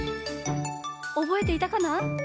おぼえていたかな？